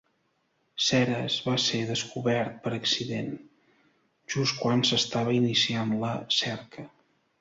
Ceres va ser descobert per accident, just quan s'estava iniciant la cerca.